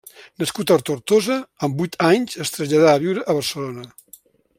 Nascut a Tortosa, amb vuit anys es traslladà a viure a Barcelona.